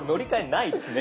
ないですよね。